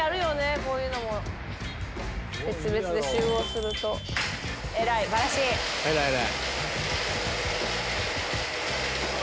こういうのも別々で集合すると偉い偉い！